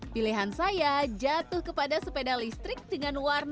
pilihan saya jatuh kepada sepeda listrik dengan warna